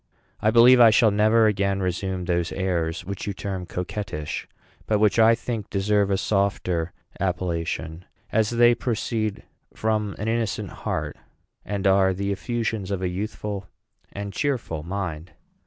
I believe I shall never again resume those airs which you term coquettish, but which I think deserve a softer appellation, as they proceed from an innocent heart, and are the effusions of a youthful and cheerful mind.